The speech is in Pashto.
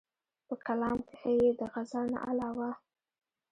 پۀ کلام کښې ئې د غزل نه علاوه